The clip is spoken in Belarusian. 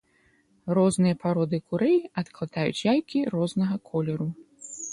Розныя пароды курэй адкладаюць яйкі рознага колеру.